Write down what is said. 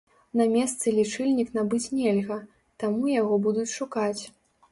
На месцы лічыльнік набыць нельга, таму яго будуць шукаць.